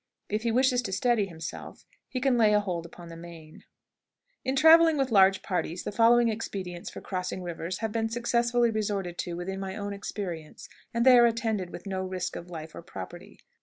If he wishes to steady himself, he can lay hold upon the mane. In traveling with large parties, the following expedients for crossing rivers have been successfully resorted to within my own experience, and they are attended with no risk to life or property.